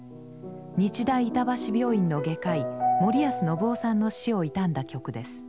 日大板橋病院の外科医森安信雄さんの死を悼んだ曲です。